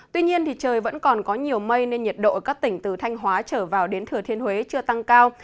tuy nhiên trời vẫn còn có nhiều mây nên nhiệt độ ở các tỉnh từ thanh hóa trở vào đến thừa thiên huế chưa tăng cao